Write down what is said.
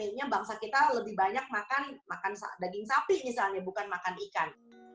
akhirnya bangsa kita lebih banyak makan makan daging sapi misalnya bukan makan ikan